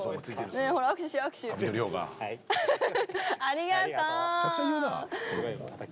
ありがとう。